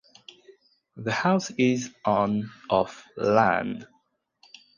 The house is on of land.